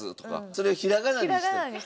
それをひらがなにして？